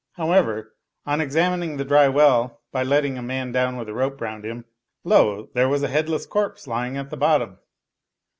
However, on examining the dry well by letting a man down with a rope round him, lo ! there was a headless corpse lying at the bottom.